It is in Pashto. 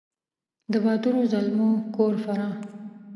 د باتور زلمو کور فراه